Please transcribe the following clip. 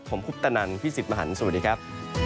ผมคุปตะนันพี่สิทธิ์มหันฯสวัสดีครับ